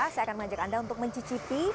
saya akan mengajak anda untuk mencicipi